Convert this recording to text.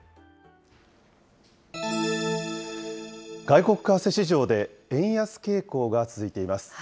外国為替市場で円安傾向が続いています。